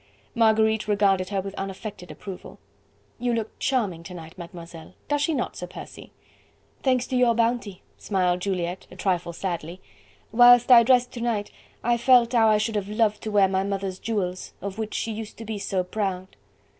Marguerite regarded her with unaffected approval. "You look charming to night, Mademoiselle, does she not, Sir Percy?" "Thanks to your bounty," smiled Juliette, a trifle sadly. "Whilst I dressed to night, I felt how I should have loved to wear my dear mother's jewels, of which she used to be so proud."